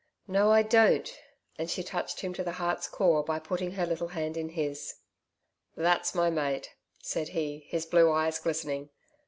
'No, I don't,' and she touched him to the heart's core by putting her little hand in his. 'That's my Mate,' said he, his blue eyes glistening.